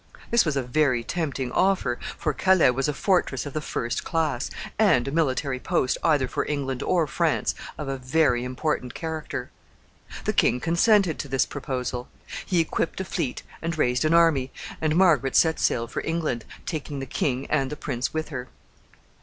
This was a very tempting offer, for Calais was a fortress of the first class, and a military post either for England or France of a very important character. The king consented to this proposal. He equipped a fleet and raised an army, and Margaret set sail for England, taking the king and the prince with her.